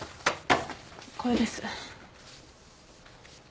これです。